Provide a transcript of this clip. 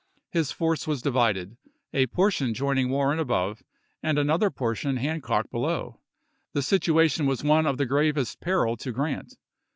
His force was divided, a portion joining Warren above, and another portion Hancock below. The situation was one of the gravest peril to Grant.